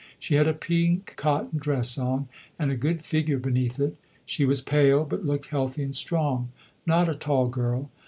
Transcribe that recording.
She had a pink cotton dress on, and a good figure beneath it. She was pale, but looked healthy and strong. Not a tall girl.